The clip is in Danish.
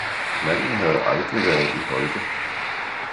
Manden havde aldrig været i Holte